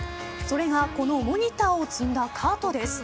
それがこのモニターを積んだカートです。